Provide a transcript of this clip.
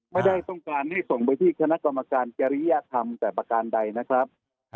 ไม่ได้ต้องการให้ส่งไปที่คณะกรรมการจริยธรรมแต่ประการใดนะครับ